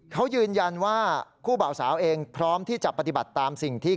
เขายืนยันว่าคู่บ่าวสาวเองพร้อมที่จะปฏิบัติตามสิ่งที่